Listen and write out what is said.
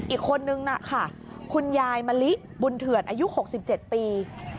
อีกคนนึงนะคะคุณยายมะลิบุญเถื่อนอายุ๖๗ปี